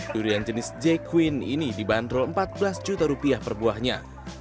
durian jenis j queen ini dibantul rp empat belas juta per buahnya